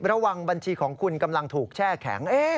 บางทีของคุณกำลังถูกแช่แข็ง